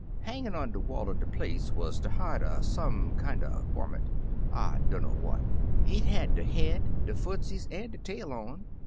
Hangin* on de wall er de place wuz de hide er some kinder varmint — I dunner what. It had de head, de footsies, an* de tail on.